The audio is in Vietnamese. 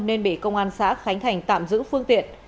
nên bị công an xã khánh thành tạm giữ phương tiện